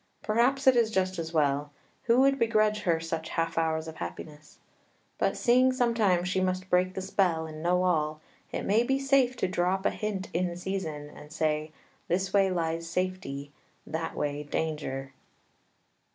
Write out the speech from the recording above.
Perhaps it is just as well; who would begrudge her such half hours of happiness? But, seeing sometime she must break the spell and know all, it may be safe to drop a hint in season, and say, This way lies safety, that way danger!